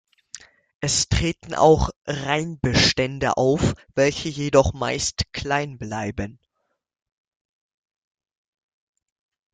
Es treten auch Reinbestände auf, welche jedoch meist klein bleiben.